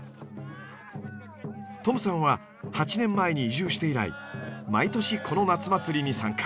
トムさんは８年前に移住して以来毎年この夏祭りに参加。